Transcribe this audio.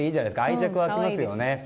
愛着が湧きますね。